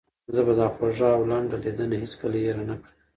زه به دا خوږه او لنډه لیدنه هیڅکله هېره نه کړم.